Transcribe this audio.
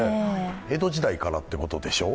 江戸時代からということでしょう、